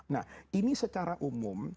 nah ini secara umum